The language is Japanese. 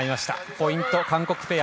ポイント、韓国ペア。